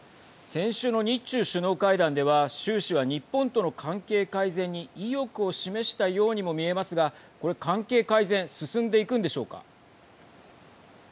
先週の日中首脳会談では習氏は日本との関係改善に意欲を示したようにも見えますがこれ関係改善進んでいくんでしょうか。